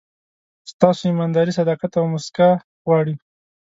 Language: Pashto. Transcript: ستاسو ایمانداري، صداقت او موسکا غواړي.